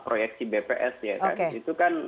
proyeksi bps ya kan itu kan